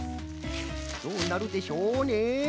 どうなるでしょうね。